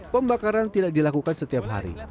pembakaran tidak dilakukan setiap hari